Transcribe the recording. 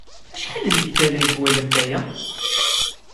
Acḥal n tikkal ay twalamt aya?